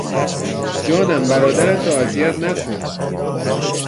جانم، برادرت را اذیت نکن!